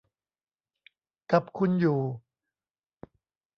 กับคุณอยู่